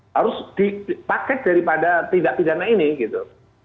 harus dipakai daripada tindak pidana ini gitu